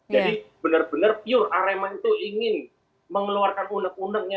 jadi benar benar pure arema itu ingin mengeluarkan unek uneknya